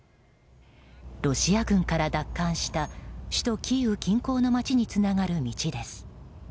ロシア軍から奪還した首都キーウ近郊の街につながる道です。